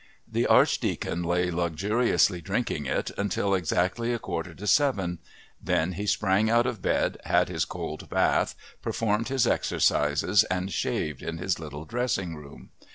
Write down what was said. The Archdeacon lay luxuriously drinking it until exactly a quarter to seven, then he sprang out of bed, had his cold bath, performed his exercises, and shaved in his little dressing room.